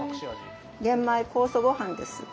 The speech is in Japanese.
玄米酵素ごはんです。